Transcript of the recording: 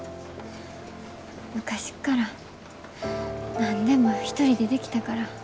昔から何でも一人でできたから。